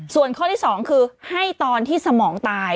ส่วนข้อที่๒คือให้ตอนที่สมองตาย